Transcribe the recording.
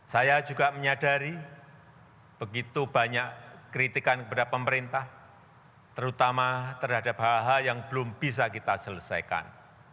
saya juga menyadari begitu banyak kritikan kepada pemerintah terutama terhadap hal hal yang belum bisa kita selesaikan